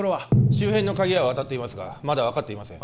周辺の鍵屋を当たっていますがまだ分かっていません